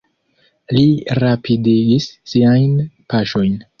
Li rapidigis siajn paŝojn.